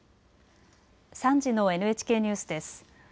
３時のＮＨＫニュースです。